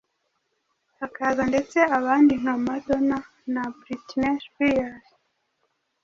hakaza ndetse abandi nka Madonna na Britney Spears,